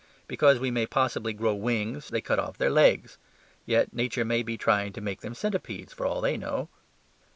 Because we may possibly grow wings they cut off their legs. Yet nature may be trying to make them centipedes for all they know.